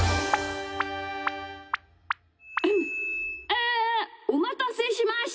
えおまたせしました。